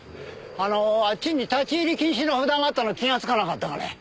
あのあっちに立ち入り禁止の札があったのを気がつかなかったかね？